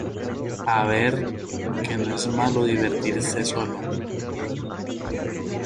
a ver, que no es malo divertirse solo.